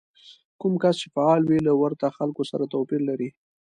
کوم کس چې فعال وي له ورته خلکو سره توپير لري.